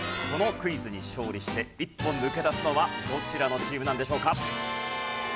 このクイズに勝利して一歩抜け出すのはどちらのチームなんでしょうか？